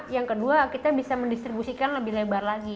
yang kedua kita bisa mendistribusikan lebih lebar lagi